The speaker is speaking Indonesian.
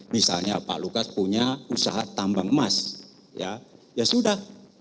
misalnya pak lukas punya usaha tambang emas ya sudah